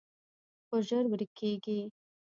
خو ژر ورکېږي